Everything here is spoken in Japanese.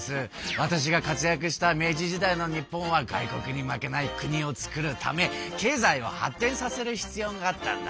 わたしが活躍した明治時代の日本は外国に負けない国を造るため経済を発展させる必要があったんだ。